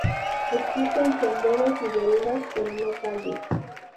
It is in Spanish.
Existen senderos y veredas, pero no calles.